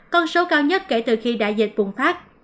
con số cao nhất kể từ khi đại dịch bùng phát